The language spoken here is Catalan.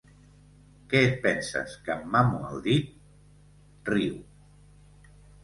Què et penses, que em mamo el dit? —riu.